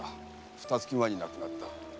二月前に亡くなった。